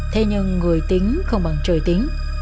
thế nhưng người tính không bằng trời tính